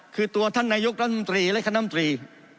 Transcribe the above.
คือตัวท่านนายกรัฐมนตรีและคณะมตรี